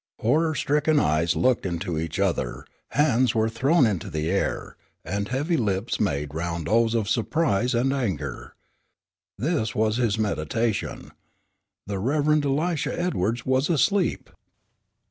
Horror stricken eyes looked into each other, hands were thrown into the air, and heavy lips made round O's of surprise and anger. This was his meditation. The Rev. Elisha Edwards was asleep!